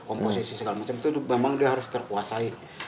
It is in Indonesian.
komposisi segala macam itu memang dia harus terkuasai